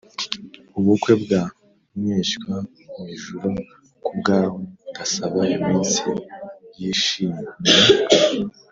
ubukwe bwa mwishywa: mwijuru kubwawe ndasaba iminsi yishimye